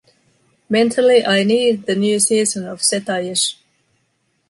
Mentally I need the new season of Setayesh